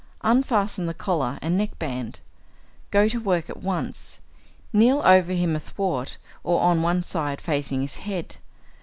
Unfasten the collar and neckband. Go to work at once. Kneel over him athwart or on one side facing his head.